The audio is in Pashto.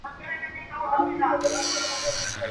ایوب خان انګرېزان مانده ته را شوه کړي ول.